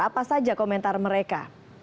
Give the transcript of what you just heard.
apa saja komentar mereka